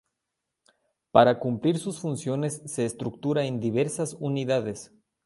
Para cumplir sus funciones se estructura en diversas unidades.